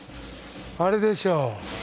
あれでしょ？